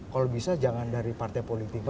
kalau bisa jangan dari partai politik ya pak